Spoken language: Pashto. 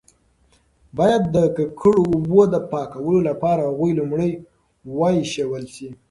باید د ککړو اوبو د پاکولو لپاره هغوی لومړی وایشول شي.